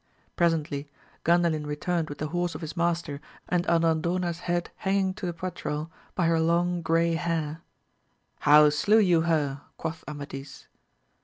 Presently Gandalin returned with the horse of his master and Andandona's head hanging to the poitral by her long grey hair. How slew you her 1 quoth Amadis.